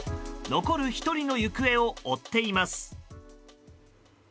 残る１人の行方を追っています。